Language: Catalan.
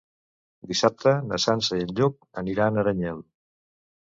Dissabte na Sança i en Lluc aniran a Aranyel.